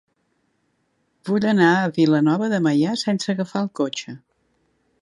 Vull anar a Vilanova de Meià sense agafar el cotxe.